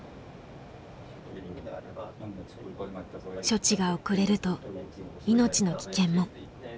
処置が遅れると命の危険も。